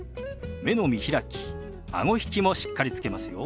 目の見開きあご引きもしっかりつけますよ。